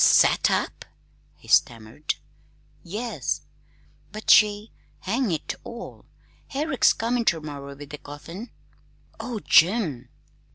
"S sat up!" he stammered. "Yes." "But she hang it all, Herrick's comin' ter morrer with the coffin!" "Oh, Jim!"